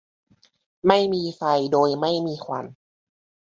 ไม่มีไฟโดยไม่มีควัน